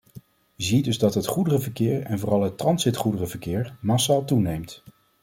Je ziet dus dat het goederenverkeer en vooral het transitgoederenvervoer massaal toeneemt.